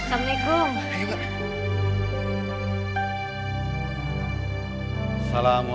assalamualaikum warahmatullahi wabarakatuh